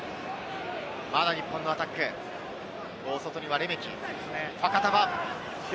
まだ日本のアタック、大外にはレメキ。